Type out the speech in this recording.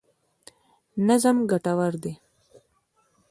نظم ګټور دی.